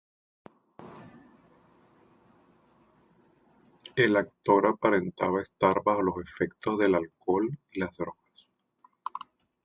El actor aparentaba estar bajo los efectos del alcohol y las drogas.